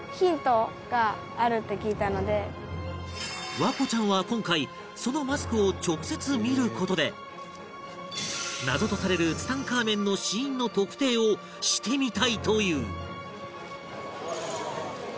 環子ちゃんは今回そのマスクを直接見る事で謎とされるツタンカーメンの死因の特定をしてみたいという